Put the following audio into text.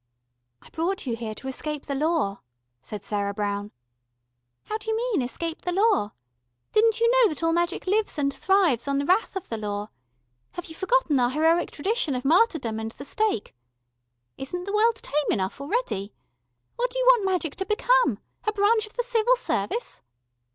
"I brought you here to escape the Law," said Sarah Brown. "How d'you mean escape the Law? Didn't you know that all magic lives and thrives on the wrath of the Law? Have you forgotten our heroic tradition of martyrdom and the stake? Isn't the world tame enough already? What do you want Magic to become? A branch of the Civil Service?"